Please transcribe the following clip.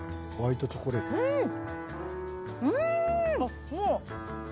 うん！